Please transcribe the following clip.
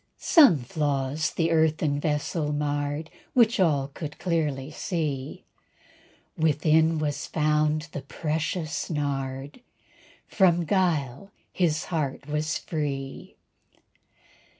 Some flaws the earthen vessel marred, Which all could clearly see; Within was found the precious nard; From guile his heart was free.